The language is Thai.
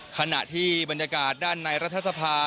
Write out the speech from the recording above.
ขณะที่บรรยากาศด้านในรัฐสภา